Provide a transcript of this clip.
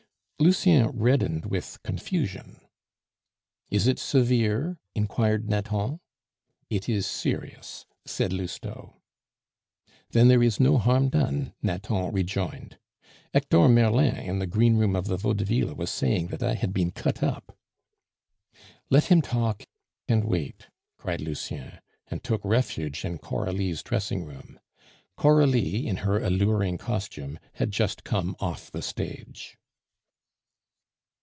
Lucien reddened with confusion. "Is it severe?" inquired Nathan. "It is serious," said Lousteau. "Then there is no harm done," Nathan rejoined. "Hector Merlin in the greenroom of the Vaudeville was saying that I had been cut up." "Let him talk, and wait," cried Lucien, and took refuge in Coralie's dressing room. Coralie, in her alluring costume, had just come off the stage.